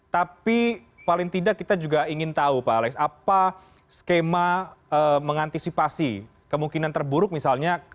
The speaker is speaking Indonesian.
tapi paling tidak kita juga ingin tahu pak alex apa skema mengantisipasi kemungkinan terburuk misalnya